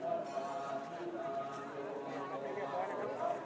เมื่อเวลาอันดับสุดท้ายเมื่อเวลาอันดับสุดท้าย